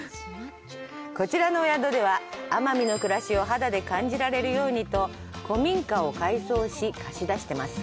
こちらのお宿では、奄美の暮らしを肌で感じられるようにと古民家を改装し、貸し出してます。